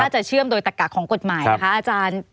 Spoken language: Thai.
จะเชื่อมโดยตักกะของกฎหมายนะคะอาจารย์